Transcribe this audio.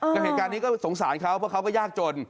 แต่เหตุการณ์นี้ก็สงสารเขาเพราะเขาก็ยากจน